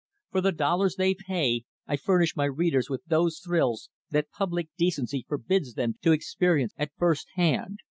For the dollars they pay, I furnish my readers with those thrills that public decency forbids them to experience at first hand.